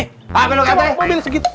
kamu mau beli segitu